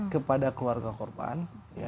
kepada keluarga korban